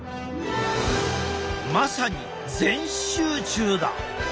まさに全集中だ。